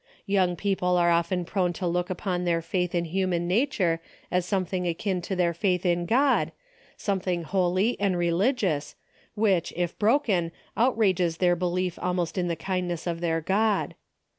Young people are often prone to look upon their faith in human nature as something akin to their faith in God, something holy and religious, which if broken outrages their belief almost in the kindness of their God.